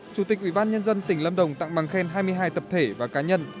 chủ tịch ủy ban nhân dân tỉnh lâm đồng tặng bằng khen hai mươi hai tập thể và cá nhân